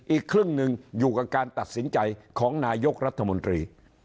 อีกครึ่งหนึ่งอยู่กับการตัดสินใจของนายกรัฐมนตรี